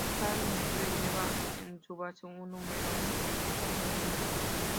Cada miniatura lleva en su base un número entre el uno y el nueve.